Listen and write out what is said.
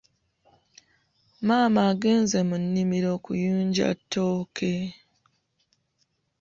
Maama agenze mu nnimiro kuyunja tooke.